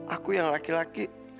aku yang laki laki